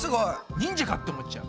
忍者かって思っちゃう。